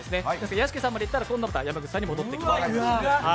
屋敷さんまでいったら山口さんに戻ってきます。